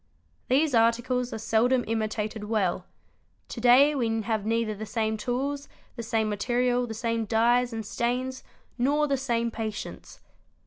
These articles are seldom imitated well; to day we have neither the same tools, the same material, the same dyes and stains, nor the same patience.